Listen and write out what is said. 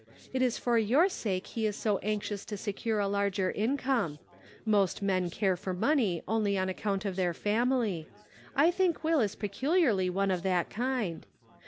It is for your sake he is so anxious to secure a larger income. Most men care for money only on account of their family. I think Will is peculiarly one of that kind.